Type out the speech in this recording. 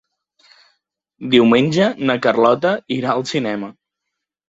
Diumenge na Carlota irà al cinema.